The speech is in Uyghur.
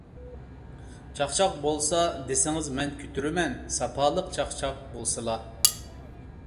چاقچاق بولسا دېسىڭىز مەن كۆتۈرىمەن، ساپالىق چاقچاق بولسىلا!